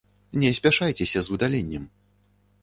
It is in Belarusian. Не спяшайся з выдаленнем.